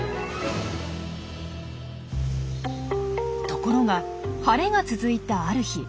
ところが晴れが続いたある日。